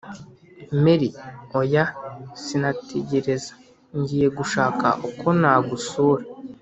mary : oya, sinategereza ngiye gushaka uko nagusura